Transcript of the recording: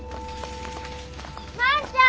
万ちゃん！